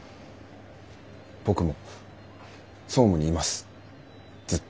僕も総務にいますずっと。